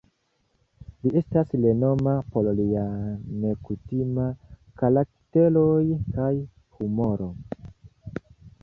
Li estas renoma por lia nekutima karakteroj kaj humoro.